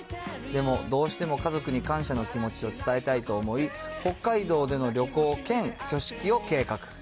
でも、どうしても家族に感謝の気持ちを伝えたいと思い、北海道での旅行兼挙式を計画。